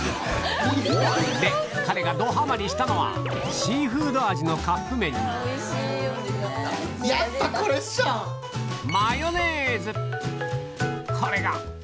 で彼がどハマりしたのはシーフード味のカップ麺にこれが！